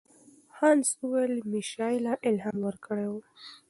هانس وویل میشایلا الهام ورکړی و.